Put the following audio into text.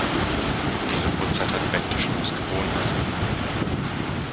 Um diese Uhrzeit hat Bente schon aus Gewohnheit Hunger.